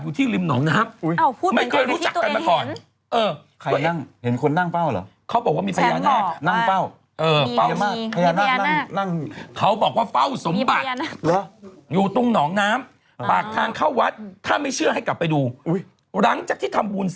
คือเรื่องของเรื่องเนี่ย